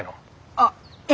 あっいえ！